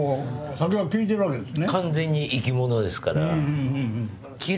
酒は聞いてるわけですね。